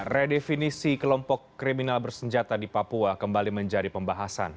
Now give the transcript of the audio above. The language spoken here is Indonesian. redefinisi kelompok kriminal bersenjata di papua kembali menjadi pembahasan